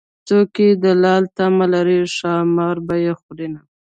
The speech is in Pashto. څوک چې د لال تمه لري ښامار به يې خورینه